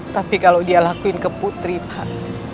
tapi kalau dia lakuin ke putri pak